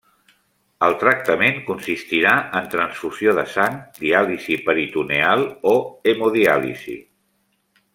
El tractament consistirà en transfusió de sang, diàlisi peritoneal o hemodiàlisi.